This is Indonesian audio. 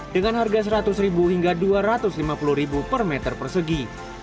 dengan harga rp seratus hingga rp dua ratus lima puluh per meter persegi